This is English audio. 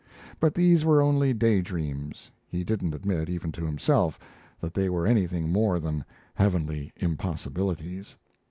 But these were only day dreams he didn't admit, even to himself, that they were anything more than heavenly impossibilities.